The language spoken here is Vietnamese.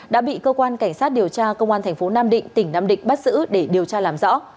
đã bị cơ quan cảnh sát điều tra công an thành phố nam định tỉnh nam định bắt giữ để điều tra làm rõ